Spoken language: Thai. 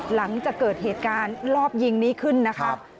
หลังจากเกิดเหตุการณ์รอบยิงนี้ขึ้นนะคะ